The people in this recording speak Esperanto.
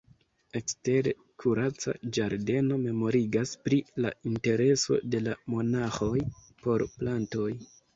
Ekstere, kuraca ĝardeno memorigas pri la intereso de la monaĥoj por plantoj.